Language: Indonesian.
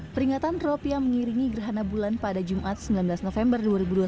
peringatan rop yang mengiringi gerhana bulan pada jumat sembilan belas november dua ribu dua puluh